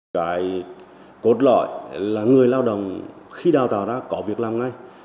cái cốt lõi là người lao động khi đào tạo ra có việc làm ngay